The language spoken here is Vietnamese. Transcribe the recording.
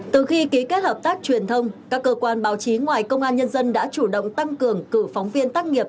từ khi ký kết hợp tác truyền thông các cơ quan báo chí ngoài công an nhân dân đã chủ động tăng cường cử phóng viên tác nghiệp